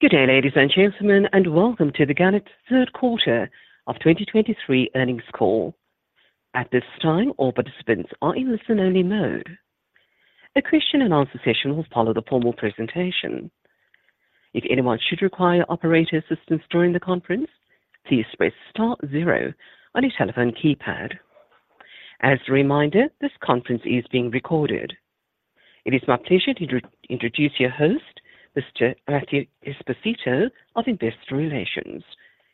Good day, ladies and gentlemen, and welcome to Gannett's third quarter of 2023 earnings call. At this time, all participants are in listen-only mode. A question and answer session will follow the formal presentation. If anyone should require operator assistance during the conference, please press star zero on your telephone keypad. As a reminder, this conference is being recorded. It is my pleasure to introduce your host, Mr. Matthew Esposito of Investor Relations.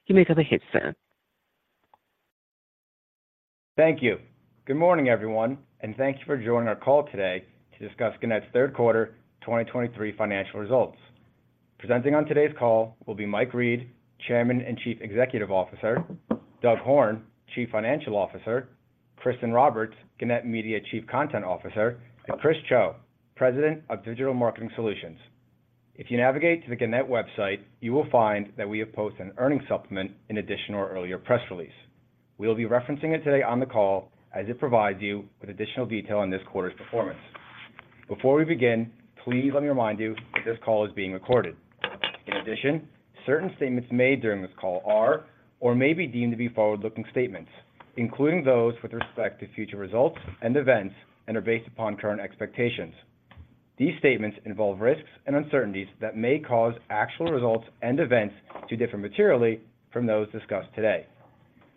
You may go ahead, sir. Thank you. Good morning, everyone, and thank you for joining our call today to discuss Gannett's third quarter 2023 financial results. Presenting on today's call will be Mike Reed, Chairman and Chief Executive Officer, Doug Horne, Chief Financial Officer, Kristin Roberts, Gannett Media Chief Content Officer, and Chris Cho, President of Digital Marketing Solutions. If you navigate to the Gannett website, you will find that we have posted an earnings supplement in addition to our earlier press release. We'll be referencing it today on the call as it provides you with additional detail on this quarter's performance. Before we begin, please let me remind you that this call is being recorded. In addition, certain statements made during this call are or may be deemed to be forward-looking statements, including those with respect to future results and events, and are based upon current expectations. These statements involve risks and uncertainties that may cause actual results and events to differ materially from those discussed today.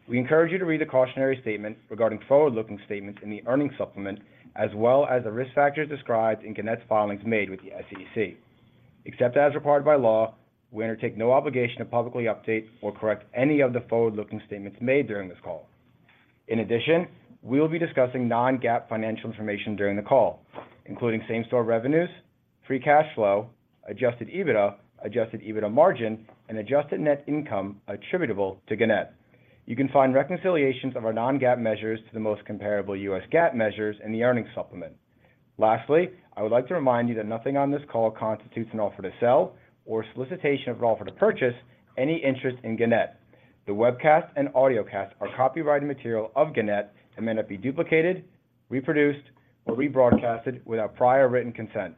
We encourage you to read the cautionary statement regarding forward-looking statements in the earnings supplement, as well as the risk factors described in Gannett's filings made with the SEC. Except as required by law, we undertake no obligation to publicly update or correct any of the forward-looking statements made during this call. In addition, we will be discussing non-GAAP financial information during the call, including Same-Store Revenues, Free Cash Flow, Adjusted EBITDA, Adjusted EBITDA Margin, and Adjusted Net Income attributable to Gannett. You can find reconciliations of our non-GAAP measures to the most comparable US GAAP measures in the earnings supplement. Lastly, I would like to remind you that nothing on this call constitutes an offer to sell or solicitation of an offer to purchase any interest in Gannett. The webcast and audiocast are copyrighted material of Gannett and may not be duplicated, reproduced, or rebroadcast without prior written consent.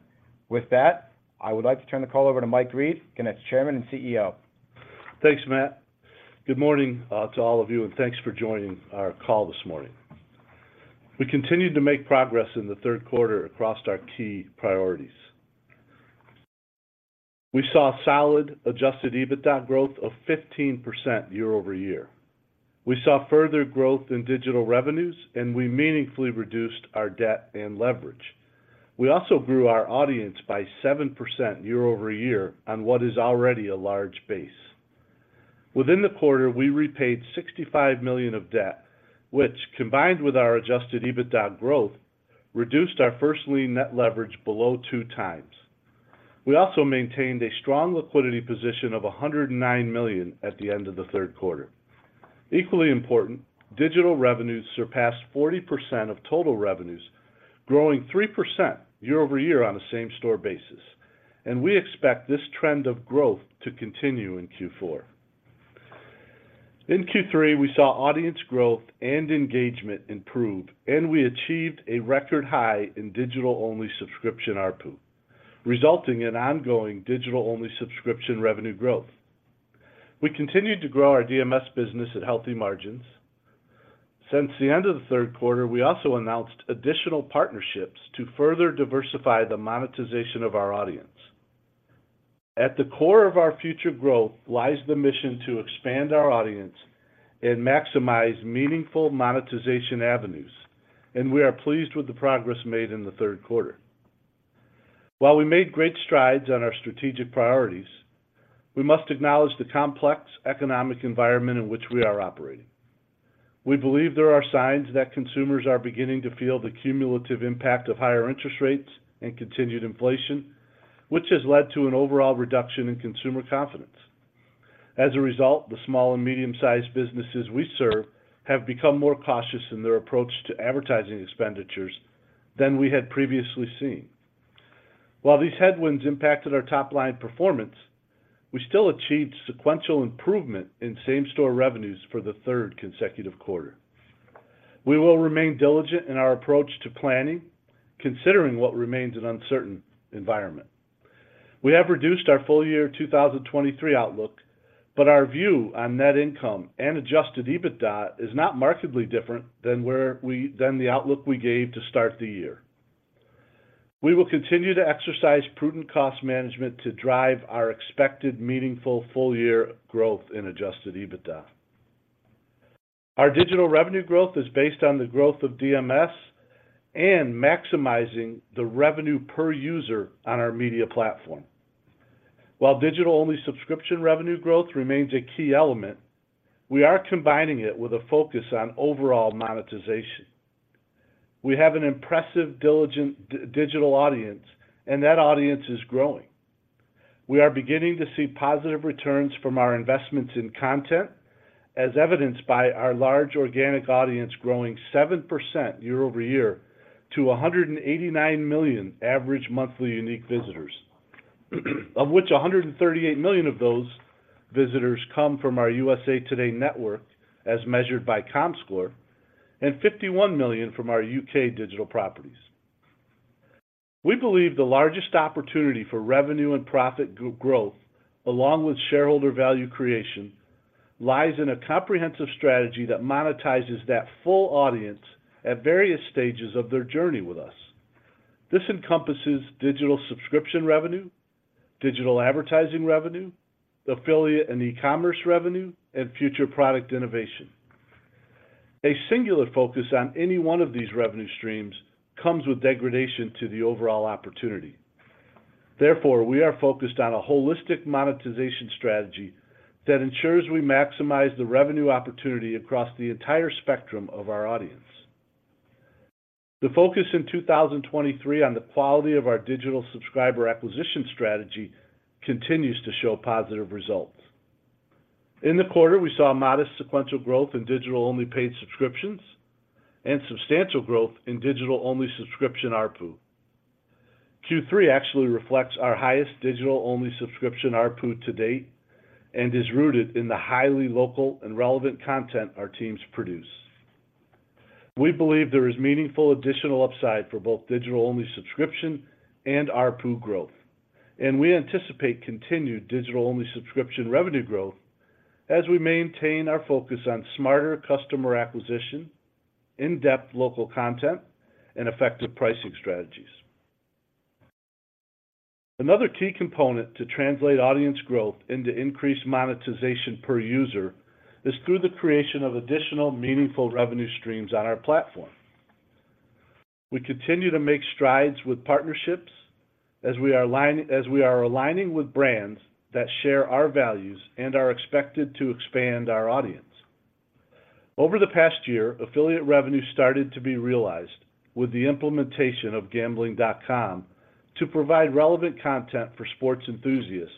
With that, I would like to turn the call over to Mike Reed, Gannett's Chairman and CEO. Thanks, Matt. Good morning, to all of you, and thanks for joining our call this morning. We continued to make progress in the third quarter across our key priorities. We saw solid Adjusted EBITDA growth of 15% year-over-year. We saw further growth in digital revenues, and we meaningfully reduced our debt and leverage. We also grew our audience by 7% year-over-year on what is already a large base. Within the quarter, we repaid $65 million of debt, which, combined with our Adjusted EBITDA growth, reduced our First Lien Net Leverage below 2x. We also maintained a strong liquidity position of $109 million at the end of the third quarter. Equally important, digital revenues surpassed 40% of total revenues, growing 3% year-over-year on a same-store basis, and we expect this trend of growth to continue in Q4. In Q3, we saw audience growth and engagement improve, and we achieved a record high in digital-only subscription ARPU, resulting in ongoing digital-only subscription revenue growth. We continued to grow our DMS business at healthy margins. Since the end of the third quarter, we also announced additional partnerships to further diversify the monetization of our audience. At the core of our future growth lies the mission to expand our audience and maximize meaningful monetization avenues, and we are pleased with the progress made in the third quarter. While we made great strides on our strategic priorities, we must acknowledge the complex economic environment in which we are operating. We believe there are signs that consumers are beginning to feel the cumulative impact of higher interest rates and continued inflation, which has led to an overall reduction in consumer confidence. As a result, the small and medium-sized businesses we serve have become more cautious in their approach to advertising expenditures than we had previously seen. While these headwinds impacted our top-line performance, we still achieved sequential improvement in same-store revenues for the third consecutive quarter. We will remain diligent in our approach to planning, considering what remains an uncertain environment. We have reduced our full year 2023 outlook, but our view on net income and Adjusted EBITDA is not markedly different than the outlook we gave to start the year. We will continue to exercise prudent cost management to drive our expected meaningful full year growth in Adjusted EBITDA. Our digital revenue growth is based on the growth of DMS and maximizing the revenue per user on our media platform. While digital-only subscription revenue growth remains a key element, we are combining it with a focus on overall monetization. We have an impressive, diligent digital audience, and that audience is growing. We are beginning to see positive returns from our investments in content, as evidenced by our large organic audience growing 7% year-over-year to 189 million average monthly unique visitors, of which 138 million of those visitors come from our USA TODAY Network, as measured by Comscore, and 51 million from our U.K. digital properties. We believe the largest opportunity for revenue and profit growth, along with shareholder value creation, lies in a comprehensive strategy that monetizes that full audience at various stages of their journey with us. This encompasses digital subscription revenue, digital advertising revenue, affiliate and e-commerce revenue, and future product innovation. A singular focus on any one of these revenue streams comes with degradation to the overall opportunity. Therefore, we are focused on a holistic monetization strategy that ensures we maximize the revenue opportunity across the entire spectrum of our audience. The focus in 2023 on the quality of our digital subscriber acquisition strategy continues to show positive results. In the quarter, we saw modest sequential growth in digital-only paid subscriptions and substantial growth in digital-only subscription ARPU. Q3 actually reflects our highest digital-only subscription ARPU to date and is rooted in the highly local and relevant content our teams produce. We believe there is meaningful additional upside for both digital-only subscription and ARPU growth, and we anticipate continued digital-only subscription revenue growth as we maintain our focus on smarter customer acquisition, in-depth local content, and effective pricing strategies. Another key component to translate audience growth into increased monetization per user is through the creation of additional meaningful revenue streams on our platform. We continue to make strides with partnerships as we are aligning with brands that share our values and are expected to expand our audience. Over the past year, affiliate revenue started to be realized with the implementation of Gambling.com to provide relevant content for sports enthusiasts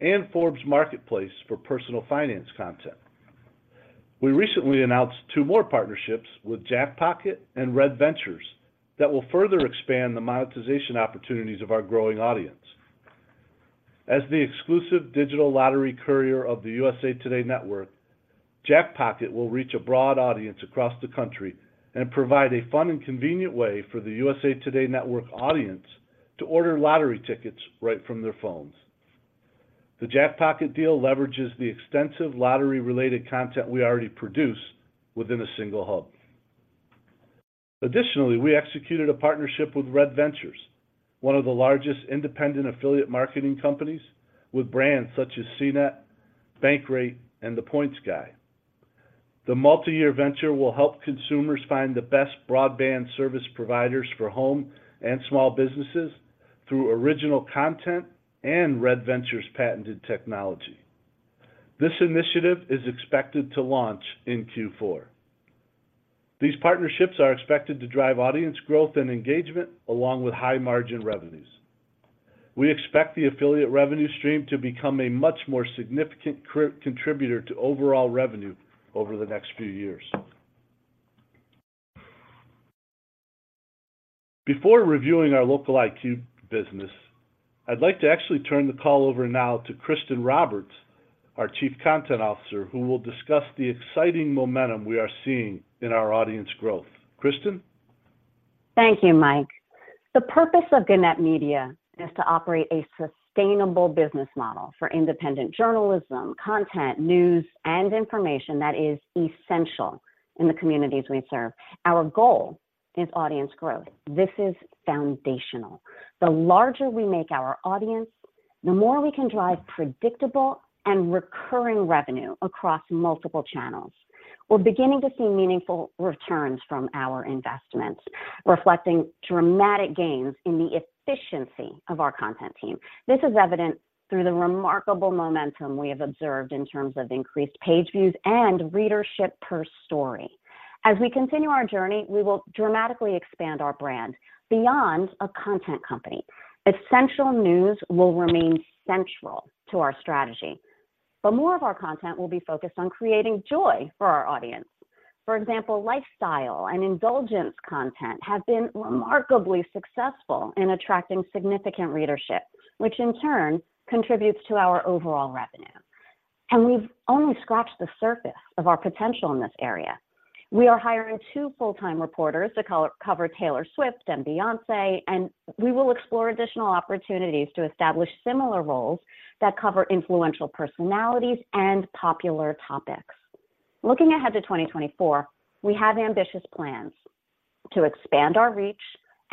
and Forbes Marketplace for personal finance content. We recently announced two more partnerships with Jackpocket and Red Ventures that will further expand the monetization opportunities of our growing audience. As the exclusive digital lottery courier of the USA TODAY Network, Jackpocket will reach a broad audience across the country and provide a fun and convenient way for the USA TODAY Network audience to order lottery tickets right from their phones. The Jackpocket deal leverages the extensive lottery-related content we already produce within a single hub. Additionally, we executed a partnership with Red Ventures, one of the largest independent affiliate marketing companies with brands such as CNET, Bankrate, and The Points Guy. The multiyear venture will help consumers find the best broadband service providers for home and small businesses through original content and Red Ventures' patented technology. This initiative is expected to launch in Q4. These partnerships are expected to drive audience growth and engagement, along with high-margin revenues. We expect the affiliate revenue stream to become a much more significant contributor to overall revenue over the next few years. Before reviewing our LocaliQ business, I'd like to actually turn the call over now to Kristin Roberts, our Chief Content Officer, who will discuss the exciting momentum we are seeing in our audience growth. Kristin? Thank you, Mike. The purpose of Gannett Media is to operate a sustainable business model for independent journalism, content, news, and information that is essential in the communities we serve. Our goal is audience growth. This is foundational. The larger we make our audience, the more we can drive predictable and recurring revenue across multiple channels. We're beginning to see meaningful returns from our investments, reflecting dramatic gains in the efficiency of our content team. This is evident through the remarkable momentum we have observed in terms of increased page views and readership per story. As we continue our journey, we will dramatically expand our brand beyond a content company. Essential news will remain central to our strategy, but more of our content will be focused on creating joy for our audience. For example, lifestyle and indulgence content have been remarkably successful in attracting significant readership, which in turn contributes to our overall revenue, and we've only scratched the surface of our potential in this area. We are hiring two full-time reporters to cover Taylor Swift and Beyoncé, and we will explore additional opportunities to establish similar roles that cover influential personalities and popular topics. Looking ahead to 2024, we have ambitious plans to expand our reach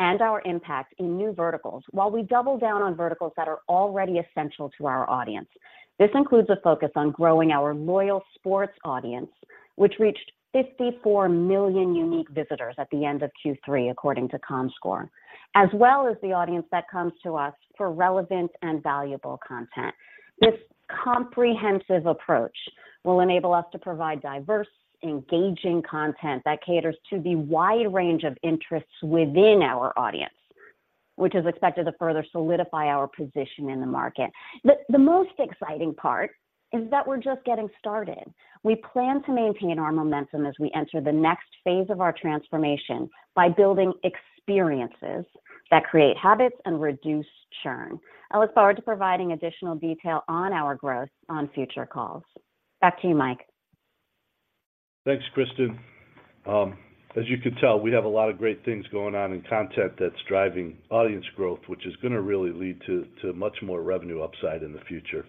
and our impact in new verticals while we double down on verticals that are already essential to our audience. This includes a focus on growing our loyal sports audience, which reached 54 million unique visitors at the end of Q3, according to Comscore, as well as the audience that comes to us for relevant and valuable content. This comprehensive approach will enable us to provide diverse, engaging content that caters to the wide range of interests within our audience, which is expected to further solidify our position in the market. The most exciting part is that we're just getting started. We plan to maintain our momentum as we enter the next phase of our transformation by building experiences that create habits and reduce churn. I look forward to providing additional detail on our growth on future calls. Back to you, Mike.... Thanks, Kristin. As you can tell, we have a lot of great things going on in content that's driving audience growth, which is gonna really lead to much more revenue upside in the future.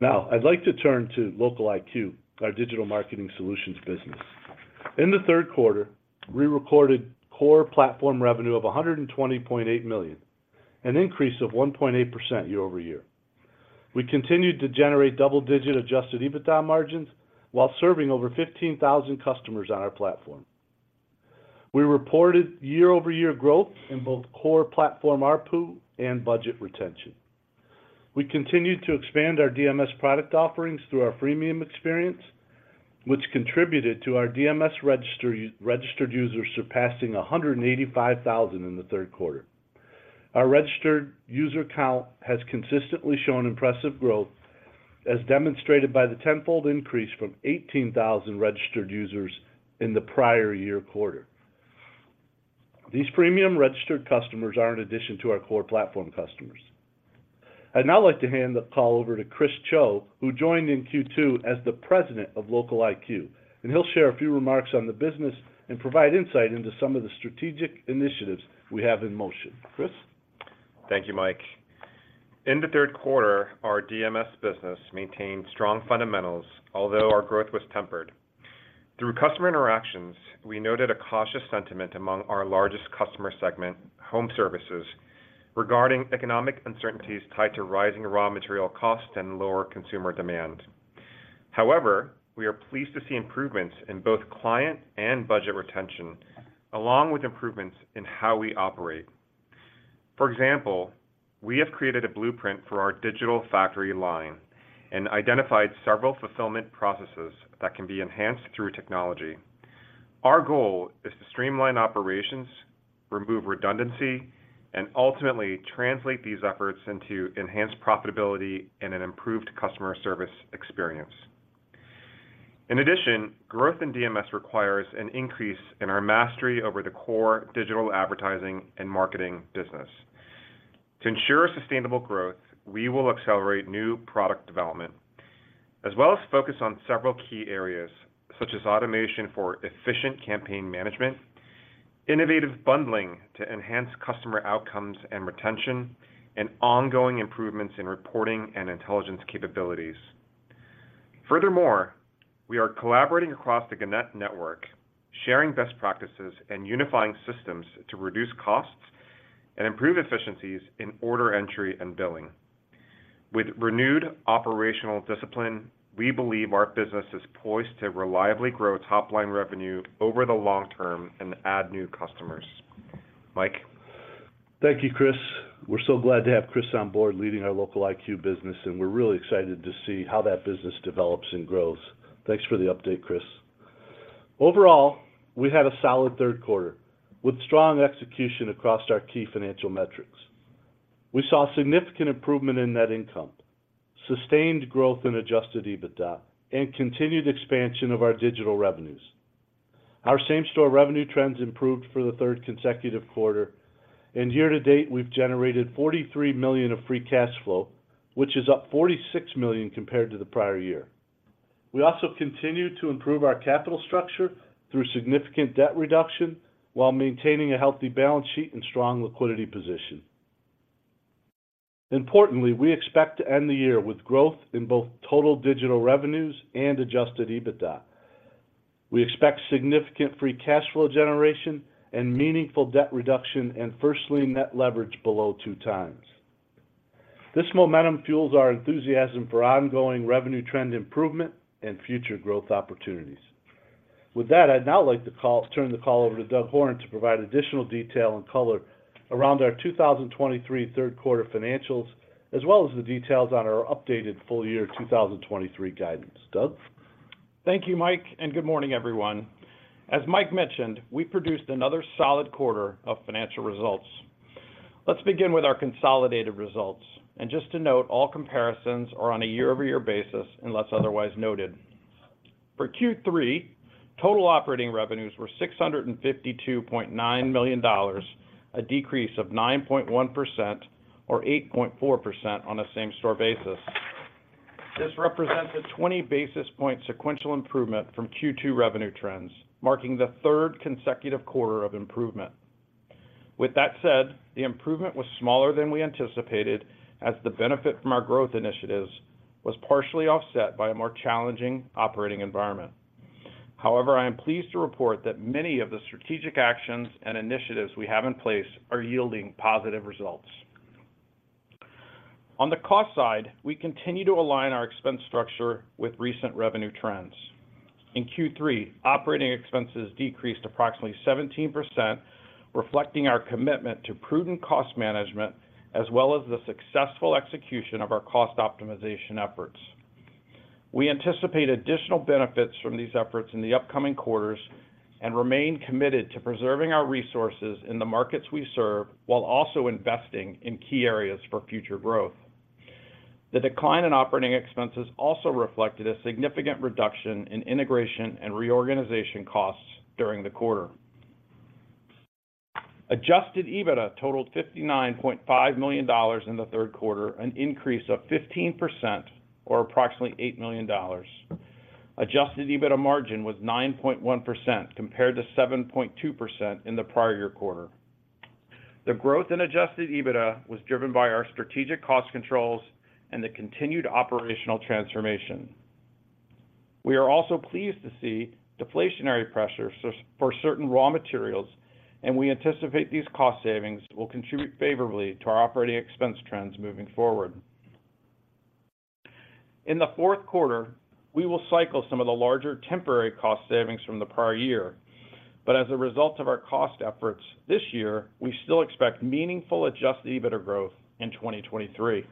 Now, I'd like to turn to LocaliQ, our digital marketing solutions business. In the third quarter, we recorded core platform revenue of $120.8 million, an increase of 1.8% year-over-year. We continued to generate double-digit adjusted EBITDA margins while serving over 15,000 customers on our platform. We reported year-over-year growth in both core platform ARPU and budget retention. We continued to expand our DMS product offerings through our freemium experience, which contributed to our DMS registered users surpassing 185,000 in the third quarter. Our registered user count has consistently shown impressive growth, as demonstrated by the tenfold increase from 18,000 registered users in the prior year quarter. These premium registered customers are an addition to our core platform customers. I'd now like to hand the call over to Chris Cho, who joined in Q2 as the President of LocaliQ, and he'll share a few remarks on the business and provide insight into some of the strategic initiatives we have in motion. Chris? Thank you, Mike. In the third quarter, our DMS business maintained strong fundamentals, although our growth was tempered. Through customer interactions, we noted a cautious sentiment among our largest customer segment, home services, regarding economic uncertainties tied to rising raw material costs and lower consumer demand. However, we are pleased to see improvements in both client and budget retention, along with improvements in how we operate. For example, we have created a blueprint for our digital factory line and identified several fulfillment processes that can be enhanced through technology. Our goal is to streamline operations, remove redundancy, and ultimately translate these efforts into enhanced profitability and an improved customer service experience. In addition, growth in DMS requires an increase in our mastery over the core digital advertising and marketing business. To ensure sustainable growth, we will accelerate new product development, as well as focus on several key areas, such as automation for efficient campaign management, innovative bundling to enhance customer outcomes and retention, and ongoing improvements in reporting and intelligence capabilities. Furthermore, we are collaborating across the Gannett network, sharing best practices and unifying systems to reduce costs and improve efficiencies in order entry and billing. With renewed operational discipline, we believe our business is poised to reliably grow top-line revenue over the long term and add new customers. Mike? Thank you, Chris. We're so glad to have Chris on board leading our LocaliQ business, and we're really excited to see how that business develops and grows. Thanks for the update, Chris. Overall, we had a solid third quarter, with strong execution across our key financial metrics. We saw significant improvement in net income, sustained growth in Adjusted EBITDA, and continued expansion of our digital revenues. Our same-store revenue trends improved for the third consecutive quarter, and year to date, we've generated $43 million of Free Cash Flow, which is up $46 million compared to the prior year. We also continued to improve our capital structure through significant debt reduction while maintaining a healthy balance sheet and strong liquidity position. Importantly, we expect to end the year with growth in both total digital revenues and Adjusted EBITDA. We expect significant Free Cash Flow generation and meaningful debt reduction and, First Lien Net Leverage below 2x. This momentum fuels our enthusiasm for ongoing revenue trend improvement and future growth opportunities. With that, I'd now like to turn the call over to Doug Horne to provide additional detail and color around our 2023 third quarter financials, as well as the details on our updated full year 2023 guidance. Doug? Thank you, Mike, and good morning, everyone. As Mike mentioned, we produced another solid quarter of financial results. Let's begin with our consolidated results. Just to note, all comparisons are on a year-over-year basis, unless otherwise noted. For Q3, total operating revenues were $652.9 million, a decrease of 9.1% or 8.4% on a same-store basis. This represents a 20 basis point sequential improvement from Q2 revenue trends, marking the third consecutive quarter of improvement. With that said, the improvement was smaller than we anticipated as the benefit from our growth initiatives was partially offset by a more challenging operating environment. However, I am pleased to report that many of the strategic actions and initiatives we have in place are yielding positive results. On the cost side, we continue to align our expense structure with recent revenue trends. In Q3, operating expenses decreased approximately 17%, reflecting our commitment to prudent cost management, as well as the successful execution of our cost optimization efforts. We anticipate additional benefits from these efforts in the upcoming quarters and remain committed to preserving our resources in the markets we serve, while also investing in key areas for future growth. The decline in operating expenses also reflected a significant reduction in integration and reorganization costs during the quarter. Adjusted EBITDA totaled $59.5 million in the third quarter, an increase of 15% or approximately $8 million. Adjusted EBITDA margin was 9.1%, compared to 7.2% in the prior year quarter. The growth in Adjusted EBITDA was driven by our strategic cost controls and the continued operational transformation. We are also pleased to see deflationary pressures for certain raw materials, and we anticipate these cost savings will contribute favorably to our operating expense trends moving forward. In the fourth quarter, we will cycle some of the larger temporary cost savings from the prior year. But as a result of our cost efforts this year, we still expect meaningful Adjusted EBITDA growth in 2023.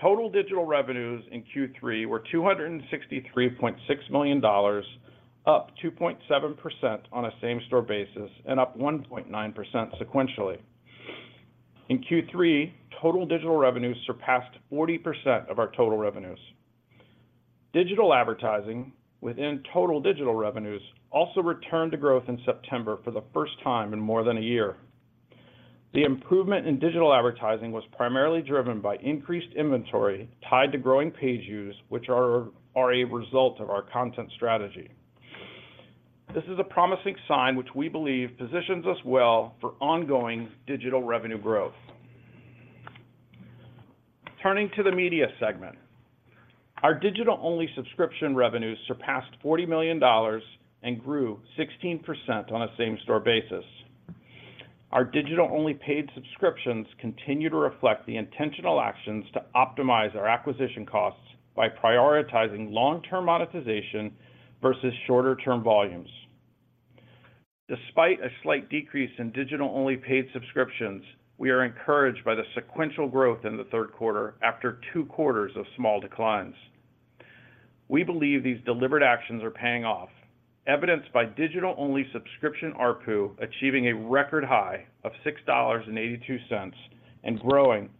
Total digital revenues in Q3 were $263.6 million, up 2.7% on a same-store basis and up 1.9% sequentially. In Q3, total digital revenues surpassed 40% of our total revenues. Digital advertising within total digital revenues also returned to growth in September for the first time in more than a year. The improvement in digital advertising was primarily driven by increased inventory tied to growing page views, which are a result of our content strategy. This is a promising sign which we believe positions us well for ongoing digital revenue growth. Turning to the media segment. Our digital-only subscription revenues surpassed $40 million and grew 16% on a same-store basis. Our digital-only paid subscriptions continue to reflect the intentional actions to optimize our acquisition costs by prioritizing long-term monetization versus shorter-term volumes. Despite a slight decrease in digital-only paid subscriptions, we are encouraged by the sequential growth in the third quarter after two quarters of small declines. We believe these deliberate actions are paying off, evidenced by digital-only subscription ARPU achieving a record high of $6.82 and growing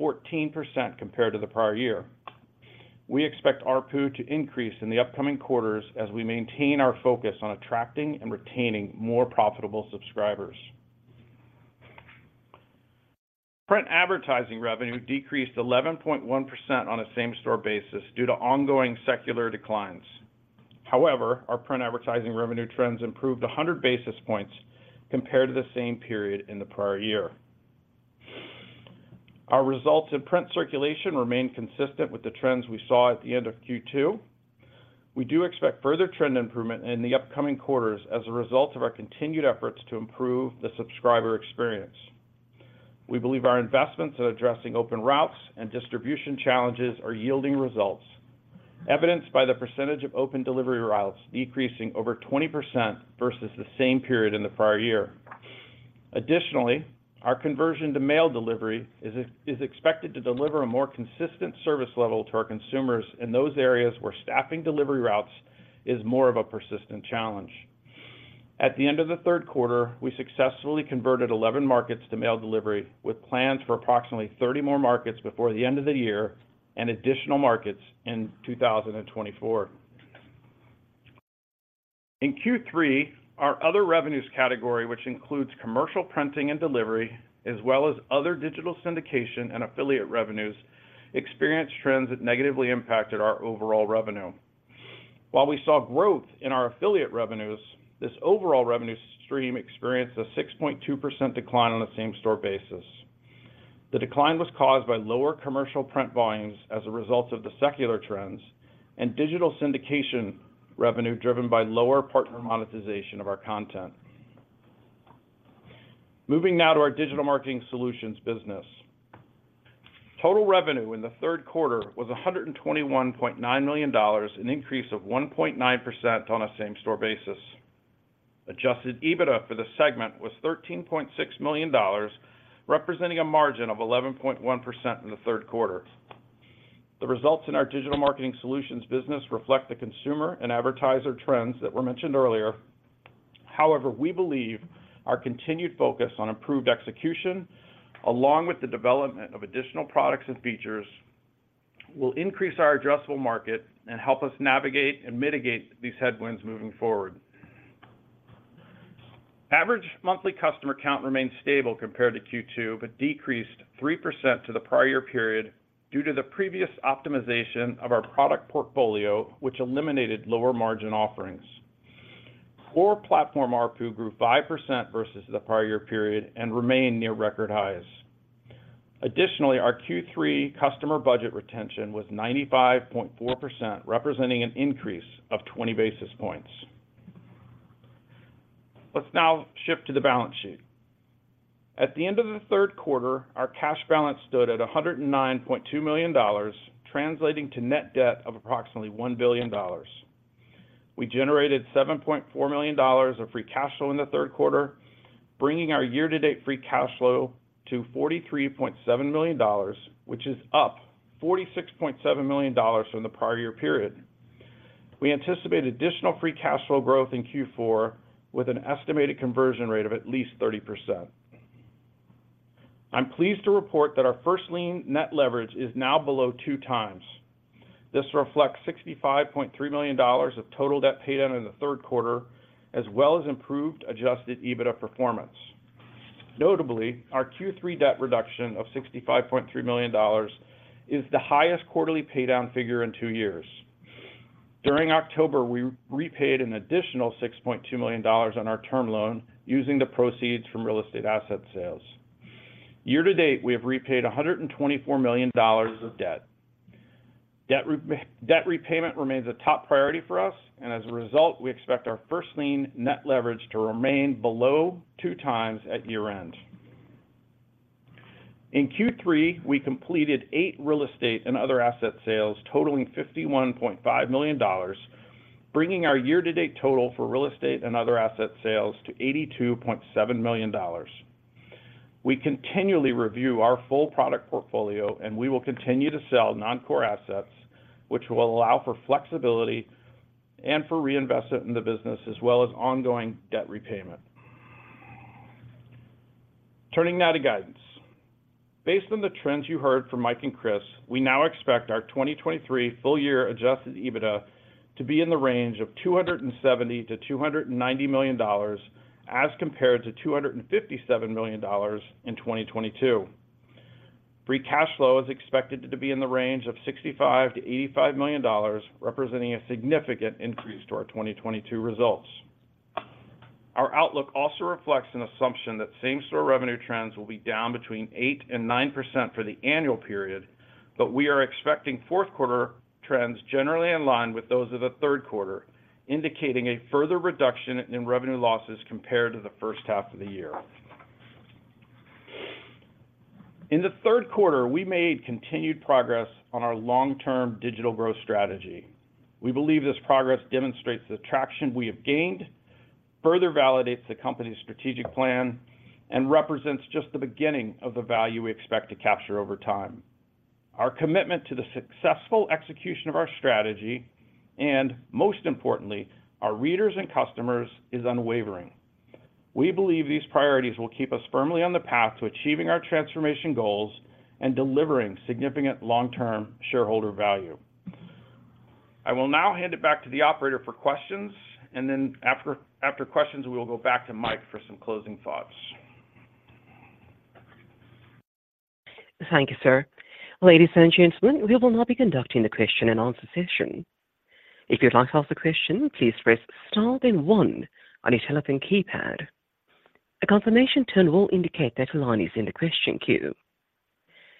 14% compared to the prior year. We expect ARPU to increase in the upcoming quarters as we maintain our focus on attracting and retaining more profitable subscribers. Print advertising revenue decreased 11.1% on a same-store basis due to ongoing secular declines. However, our print advertising revenue trends improved 100 basis points compared to the same period in the prior year. Our results in print circulation remained consistent with the trends we saw at the end of Q2. We do expect further trend improvement in the upcoming quarters as a result of our continued efforts to improve the subscriber experience. We believe our investments in addressing open routes and distribution challenges are yielding results, evidenced by the percentage of open delivery routes decreasing over 20% versus the same period in the prior year. Additionally, our conversion to mail delivery is expected to deliver a more consistent service level to our consumers in those areas where staffing delivery routes is more of a persistent challenge. At the end of the third quarter, we successfully converted 11 markets to mail delivery, with plans for approximately 30 more markets before the end of the year and additional markets in 2024. In Q3, our other revenues category, which includes commercial printing and delivery, as well as other digital syndication and affiliate revenues, experienced trends that negatively impacted our overall revenue. While we saw growth in our affiliate revenues, this overall revenue stream experienced a 6.2% decline on a same-store basis. The decline was caused by lower commercial print volumes as a result of the secular trends, and digital syndication revenue driven by lower partner monetization of our content. Moving now to our digital marketing solutions business. Total revenue in the third quarter was $121.9 million, an increase of 1.9% on a same-store basis. Adjusted EBITDA for the segment was $13.6 million, representing a margin of 11.1% in the third quarter. The results in our digital marketing solutions business reflect the consumer and advertiser trends that were mentioned earlier. However, we believe our continued focus on improved execution, along with the development of additional products and features, will increase our addressable market and help us navigate and mitigate these headwinds moving forward. Average monthly customer count remained stable compared to Q2, but decreased 3% to the prior year period due to the previous optimization of our product portfolio, which eliminated lower margin offerings. Core Platform ARPU grew 5% versus the prior year period and remained near record highs. Additionally, our Q3 customer budget retention was 95.4%, representing an increase of 20 basis points. Let's now shift to the balance sheet. At the end of the third quarter, our cash balance stood at $109.2 million, translating to net debt of approximately $1 billion. We generated $7.4 million of Free Cash Flow in the third quarter, bringing our year-to-date Free Cash Flow to $43.7 million, which is up $46.7 million from the prior year period. We anticipate additional Free Cash Flow growth in Q4 with an estimated conversion rate of at least 30%.... I'm pleased to report that our First Lien Net Leverage is now below 2x. This reflects $65.3 million of total debt paid down in the third quarter, as well as improved Adjusted EBITDA performance. Notably, our Q3 debt reduction of $65.3 million is the highest quarterly paydown figure in two years. During October, we repaid an additional $6.2 million on our term loan using the proceeds from real estate asset sales. Year-to-date, we have repaid $124 million of debt. Debt repayment remains a top priority for us, and as a result, we expect our First Lien Net Leverage to remain below 2x at year-end. In Q3, we completed eight real estate and other asset sales totaling $51.5 million, bringing our year-to-date total for real estate and other asset sales to $82.7 million. We continually review our full product portfolio, and we will continue to sell non-core assets, which will allow for flexibility and for reinvestment in the business, as well as ongoing debt repayment. Turning now to guidance. Based on the trends you heard from Mike and Chris, we now expect our 2023 full year Adjusted EBITDA to be in the range of $270 million-$290 million, as compared to $257 million in 2022. Free Cash Flow is expected to be in the range of $65 million-$85 million, representing a significant increase to our 2022 results. Our outlook also reflects an assumption that same-store revenue trends will be down between 8% and 9% for the annual period, but we are expecting fourth quarter trends generally in line with those of the third quarter, indicating a further reduction in revenue losses compared to the first half of the year. In the third quarter, we made continued progress on our long-term digital growth strategy. We believe this progress demonstrates the traction we have gained, further validates the company's strategic plan, and represents just the beginning of the value we expect to capture over time. Our commitment to the successful execution of our strategy, and most importantly, our readers and customers, is unwavering. We believe these priorities will keep us firmly on the path to achieving our transformation goals and delivering significant long-term shareholder value. I will now hand it back to the operator for questions, and then after questions, we will go back to Mike for some closing thoughts. Thank you, sir. Ladies and gentlemen, we will now be conducting the question-and-answer session. If you'd like to ask a question, please press star, then one on your telephone keypad. A confirmation tone will indicate that your line is in the question queue.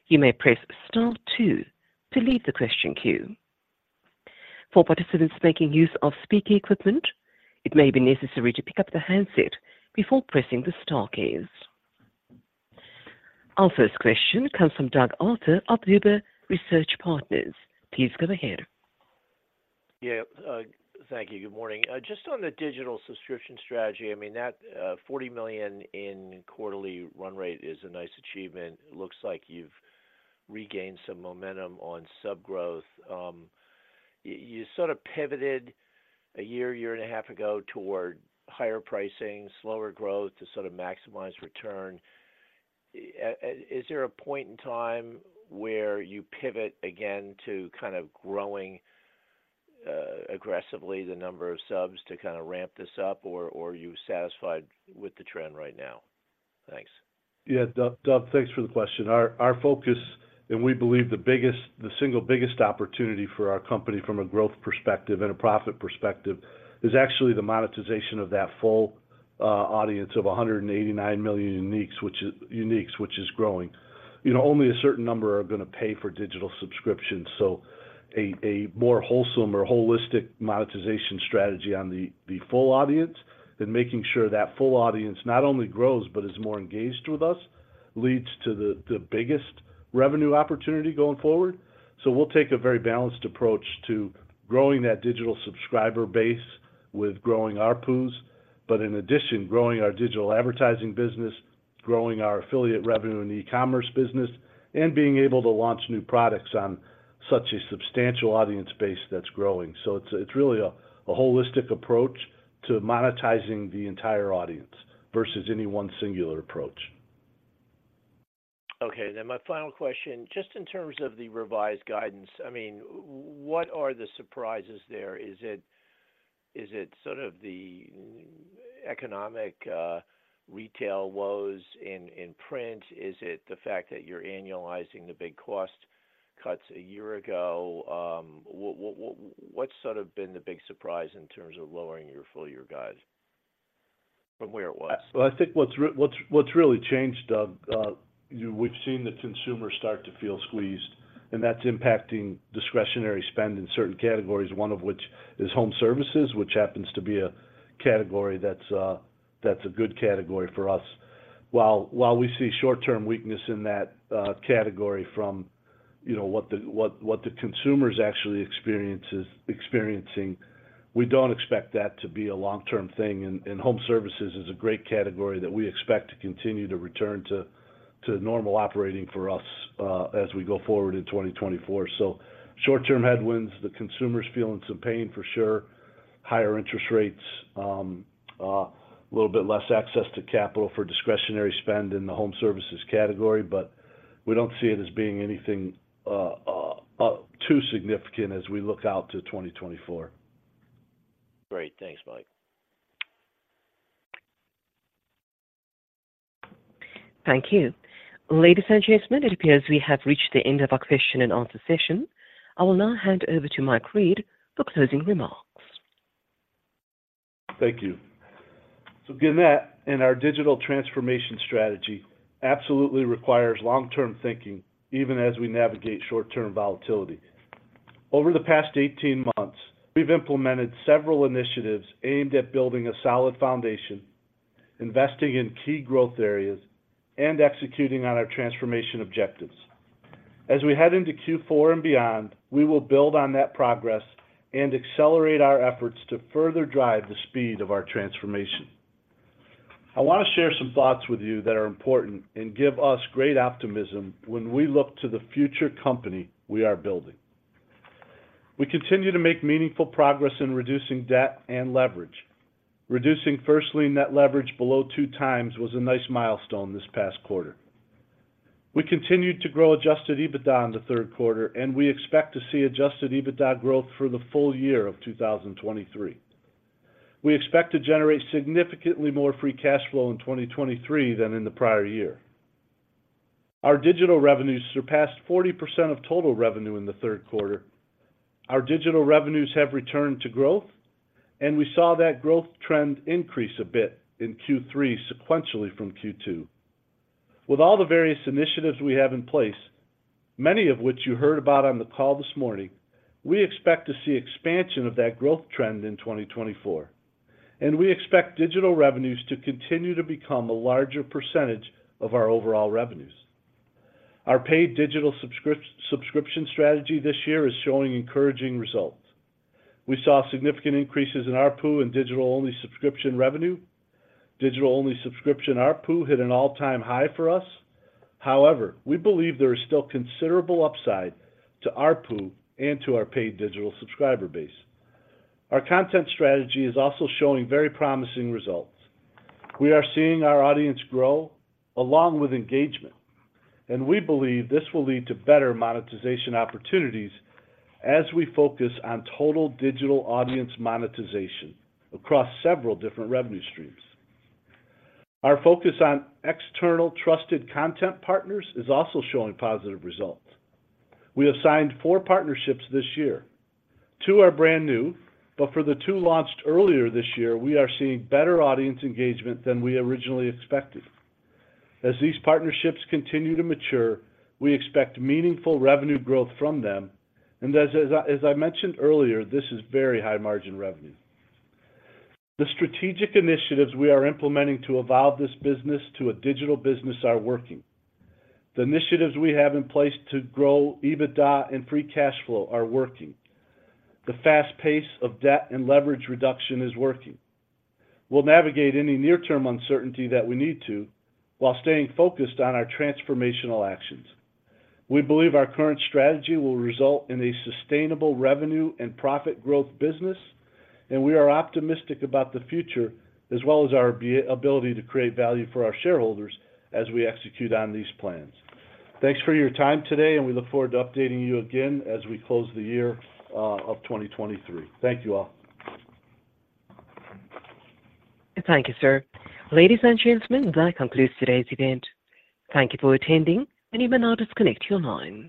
You may press star two to leave the question queue. For participants making use of speaker equipment, it may be necessary to pick up the handset before pressing the star keys. Our first question comes from Doug Arthur of Huber Research Partners. Please go ahead. Yeah, thank you. Good morning. Just on the digital subscription strategy, I mean, that $40 million in quarterly run rate is a nice achievement. It looks like you've regained some momentum on sub growth. You sort of pivoted a year, year and a half ago toward higher pricing, slower growth to sort of maximize return. Is there a point in time where you pivot again to kind of growing aggressively the number of subs to kind of ramp this up, or are you satisfied with the trend right now? Thanks. Yeah, Doug, Doug, thanks for the question. Our focus and we believe the biggest, the single biggest opportunity for our company from a growth perspective and a profit perspective, is actually the monetization of that full audience of 189 million uniques, which is growing. You know, only a certain number are going to pay for digital subscriptions, so a more wholesome or holistic monetization strategy on the full audience, then making sure that full audience not only grows, but is more engaged with us, leads to the biggest revenue opportunity going forward. So we'll take a very balanced approach to growing that digital subscriber base with growing ARPUs, but in addition, growing our digital advertising business, growing our affiliate revenue in the e-commerce business, and being able to launch new products on such a substantial audience base that's growing. So it's really a holistic approach to monetizing the entire audience versus any one singular approach. Okay, then my final question, just in terms of the revised guidance, I mean, what are the surprises there? Is it sort of the economic retail woes in print? Is it the fact that you're annualizing the big cost cuts a year ago? What’s sort of been the big surprise in terms of lowering your full year guide from where it was? Well, I think what's really changed, Doug, we've seen the consumer start to feel squeezed, and that's impacting discretionary spend in certain categories, one of which is home services, which happens to be a category that's a good category for us. While we see short-term weakness in that category from you know what the consumer is actually experiencing, we don't expect that to be a long-term thing. And home services is a great category that we expect to continue to return to normal operating for us as we go forward in 2024. So short-term headwinds, the consumer's feeling some pain for sure.... higher interest rates, a little bit less access to capital for discretionary spend in the home services category, but we don't see it as being anything too significant as we look out to 2024. Great. Thanks, Mike. Thank you. Ladies and gentlemen, it appears we have reached the end of our question and answer session. I will now hand over to Mike Reed for closing remarks. Thank you. So Gannett and our digital transformation strategy absolutely requires long-term thinking, even as we navigate short-term volatility. Over the past 18 months, we've implemented several initiatives aimed at building a solid foundation, investing in key growth areas, and executing on our transformation objectives. As we head into Q4 and beyond, we will build on that progress and accelerate our efforts to further drive the speed of our transformation. I want to share some thoughts with you that are important and give us great optimism when we look to the future company we are building. We continue to make meaningful progress in reducing debt and leverage. Reducing firstly, net leverage below 2x was a nice milestone this past quarter. We continued to grow Adjusted EBITDA in the third quarter, and we expect to see Adjusted EBITDA growth for the full year of 2023. We expect to generate significantly more free cash flow in 2023 than in the prior year. Our digital revenues surpassed 40% of total revenue in the third quarter. Our digital revenues have returned to growth, and we saw that growth trend increase a bit in Q3 sequentially from Q2. With all the various initiatives we have in place, many of which you heard about on the call this morning, we expect to see expansion of that growth trend in 2024, and we expect digital revenues to continue to become a larger percentage of our overall revenues. Our paid digital subscription strategy this year is showing encouraging results. We saw significant increases in ARPU and digital-only subscription revenue. Digital-only subscription ARPU hit an all-time high for us. However, we believe there is still considerable upside to ARPU and to our paid digital subscriber base. Our content strategy is also showing very promising results. We are seeing our audience grow, along with engagement, and we believe this will lead to better monetization opportunities as we focus on total digital audience monetization across several different revenue streams. Our focus on external trusted content partners is also showing positive results. We have signed four partnerships this year. Two are brand new, but for the two launched earlier this year, we are seeing better audience engagement than we originally expected. As these partnerships continue to mature, we expect meaningful revenue growth from them, and as I mentioned earlier, this is very high-margin revenue. The strategic initiatives we are implementing to evolve this business to a digital business are working. The initiatives we have in place to grow EBITDA and free cash flow are working. The fast pace of debt and leverage reduction is working. We'll navigate any near-term uncertainty that we need to while staying focused on our transformational actions. We believe our current strategy will result in a sustainable revenue and profit growth business, and we are optimistic about the future, as well as our ability to create value for our shareholders as we execute on these plans. Thanks for your time today, and we look forward to updating you again as we close the year of 2023. Thank you, all. Thank you, sir. Ladies and gentlemen, that concludes today's event. Thank you for attending, and you may now disconnect your lines.